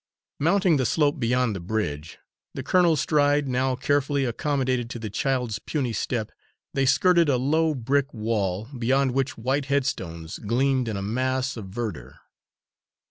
Mounting the slope beyond the bridge, the colonel's stride now carefully accommodated to the child's puny step, they skirted a low brick wall, beyond which white headstones gleamed in a mass of verdure.